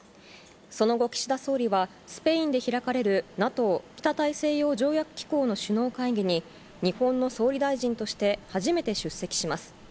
その後、岸田総理は、スペインで開かれるＮＡＴＯ・北大西洋条約機構の首脳会議に、日本の総理大臣として初めて出席します。